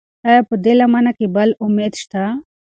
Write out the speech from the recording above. ایا په دې لمنه کې بل امید شته؟